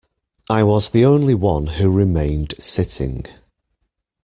I was the only one who remained sitting.